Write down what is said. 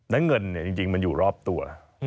ดังเงินเนี่ยจริงมันอยู่รอบตัว